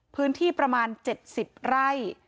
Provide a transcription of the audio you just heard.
พื้นที่ประมาณ๗๐ไร่